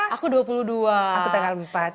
aku tanggal berapa